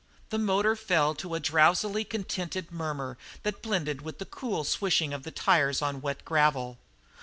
The motor fell to a drowsily contented murmur that blended with the cool swishing of the tires on wet gravel.